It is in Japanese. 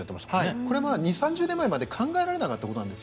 これは２０３０年前まで考えられなかったことです。